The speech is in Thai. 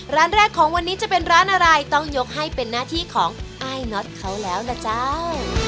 ร้านแรกของวันนี้จะเป็นร้านอะไรต้องยกให้เป็นหน้าที่ของอ้ายน็อตเขาแล้วนะเจ้า